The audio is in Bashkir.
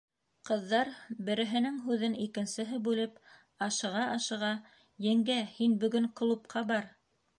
Ҡыҙҙар, береһенең һүҙен икенсеһе бүлеп, ашыға-ашыға: - Еңгә, һин бөгөн клубҡа бар.